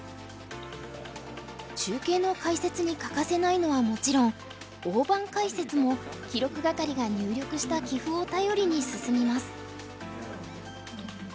中継の解説に欠かせないのはもちろん大盤解説も記録係が入力した棋譜を頼りに進みます。